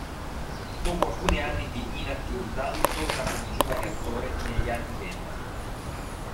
Dopo alcuni anni di inattività torna come giovane attore negli anni venti.